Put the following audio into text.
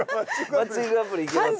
マッチングアプリいけますよ。